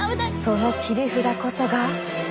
その切り札こそが。